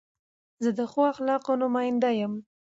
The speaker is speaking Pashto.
زه د ښو اخلاقو نماینده یم.